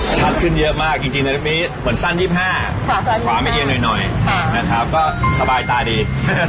ชัดขึ้นเยอะมากจริงในคลิปนี้เหมือนสั้น๒๕ขวาไม่เอียงหน่อยนะครับก็สบายตาดี